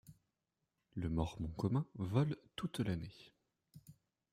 Le Mormon commun vole toute l'année.